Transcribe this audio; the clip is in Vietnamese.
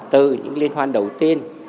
từ những liên hoan đầu tiên